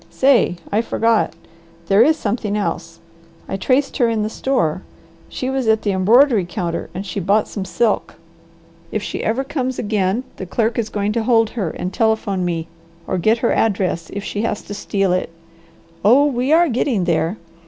Say, I forgot! There is something else. I traced her in the store. She was at the embroidery counter and she bought some silk. If she ever comes again the clerk is going to hold her and telephone me or get her address if she has to steal it. Oh, we are getting there!